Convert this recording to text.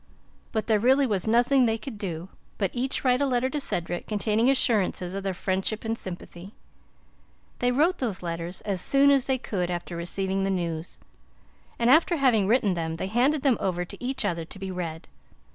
But there really was nothing they could do but each write a letter to Cedric, containing assurances of their friendship and sympathy. They wrote those letters as soon as they could after receiving the news; and after having written them, they handed them over to each other to be read.